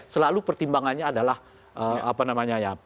selalu pertimbangannya adalah apa namanya ya